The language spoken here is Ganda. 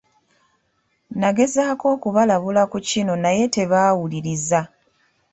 Nagezaako okubalabula ku kino naye tebaawuliriza.